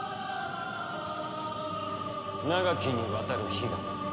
長きにわたる悲願。